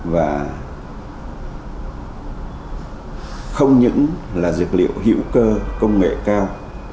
và không những là dược liệu hữu cơ công nghệ cao